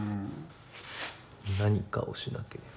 「何かをしなければ」